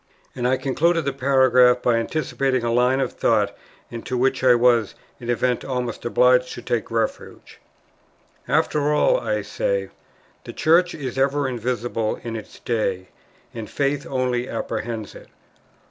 And I conclude the paragraph by anticipating a line of thought into which I was, in the event, almost obliged to take refuge: "After all," I say, "the Church is ever invisible in its day, and faith only apprehends it."